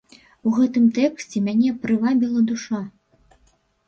У гэтым тэксце мяне прывабіла душа.